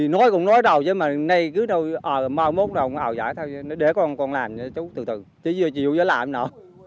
nói cũng nói đầu chứ mà nay cứ đâu mau mốt nào cũng ảo giải thôi để con làm chú thử thử chứ chịu chứ làm nữa